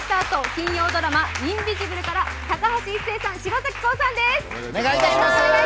金曜ドラマ「インビジブル」から高橋一生さん、柴咲コウさんです。